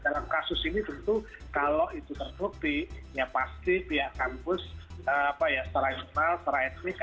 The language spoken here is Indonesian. dalam kasus ini tentu kalau itu terbukti ya pasti pihak kampus secara internal secara etnis